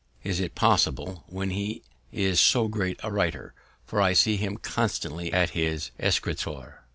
"Is it possible, when he is so great a writer? for I see him constantly at his escritoire."